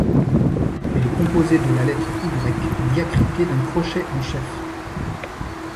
Elle est composée de la lettre Y diacritée d'un crochet en chef.